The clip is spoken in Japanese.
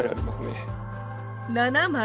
７枚！